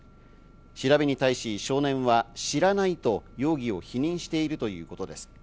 調べに対し少年は知らないと容疑を否認しているということです。